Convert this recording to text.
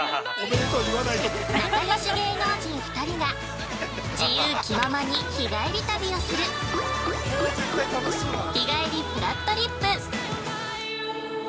◆仲良し芸能人２人が自由気ままに日帰り旅をする「日帰りぷらっとりっぷ」。